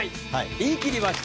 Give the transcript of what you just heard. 言い切りました。